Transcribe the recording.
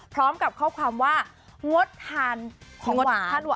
พร้อมกับข้อความว่างดทานของหวาน